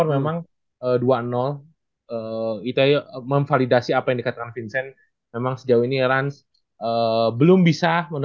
di belakang ring itu gak nyaman